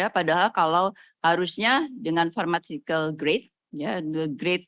padahal kalau harusnya dengan pharmatical grade